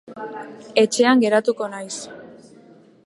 Etxean geratuko naiz.